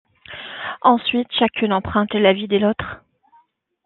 Ensuite, chacune emprunte la vie de l'autre.